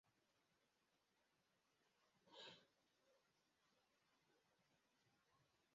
wakati ule alama yake ilikuwa µµ.